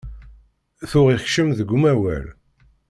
Tuɣ ikcem deg umawal.